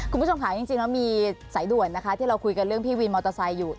คุณผู้ชมค่ะจริงแล้วมีสายด่วนนะคะที่เราคุยกันเรื่องพี่วินมอเตอร์ไซค์อยู่